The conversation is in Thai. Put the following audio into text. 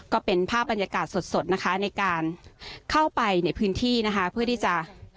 ก็เป็นภาพบรรยากาศสดนะคะในการเข้าไปในพื้นที่นะคะเพื่อที่จะ